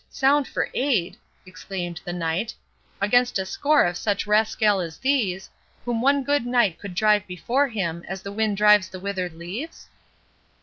"What! sound for aid," exclaimed the Knight, "against a score of such 'rascaille' as these, whom one good knight could drive before him, as the wind drives the withered leaves?"